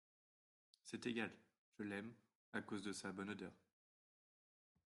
C’est égal ! je l’aime… à cause de sa bonne odeur…